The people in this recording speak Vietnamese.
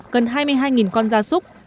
gần hai mươi hai con da súc